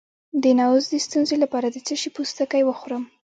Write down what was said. د نعوظ د ستونزې لپاره د څه شي پوستکی وخورم؟